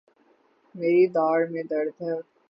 میری داڑھ میں درد ہے